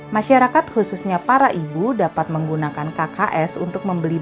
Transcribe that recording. masyarakat khususnya para ibu dapat menggunakan kks untuk membeli bahan bahan yang tidak berhasil